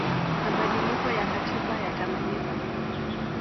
mabadiliko ya katiba ya Tanganyika